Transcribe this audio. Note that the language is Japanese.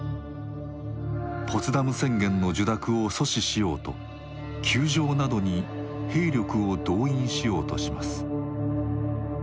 ポツダム宣言の受諾を阻止しようと宮城などに兵力を動員しようとします。